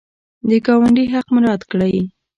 د ګاونډي حق مراعات کړئ